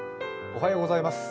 おはようございます。